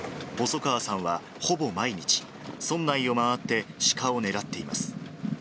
細川さんはほぼ毎日、村内を回ってシカを狙っています。